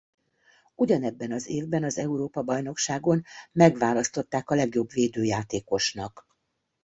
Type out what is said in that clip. Ugyanebben az évben az Európa-bajnokságon megválasztották a legjobb védőjátékosnak.